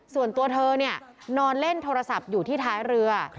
ส่วนตัวเธอเนี่ยนอนเล่นโทรศัพท์อยู่ที่ท้ายเรือ